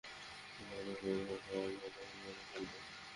মাদক বের করার পর আমরাই তাকে মেরে ফেলব?